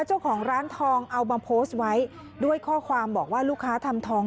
เจ้าของร้านทองเอามาโพสต์ไว้ด้วยข้อความบอกว่าลูกค้าทำทอง